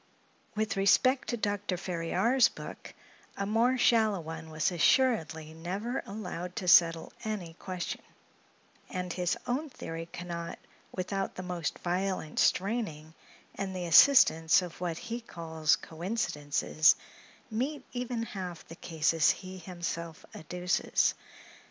With respect to Dr. Ferriar's book, a more shallow one was assuredly never allowed to settle any question; and his own theory can not, without the most violent straining, and the assistance of what he calls coincidences, meet even half the cases he himself adduces.